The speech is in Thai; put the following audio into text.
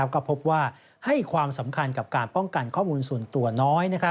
ก็พบว่าให้ความสำคัญกับการป้องกันข้อมูลส่วนตัวน้อย